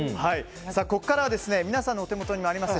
ここからは皆さんのお手元にもあります